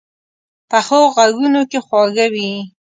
پخو غږونو کې خواږه وي